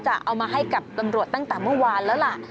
จะเอามาให้กับตำรวจตั้งแต่เมื่อวานแล้วล่ะ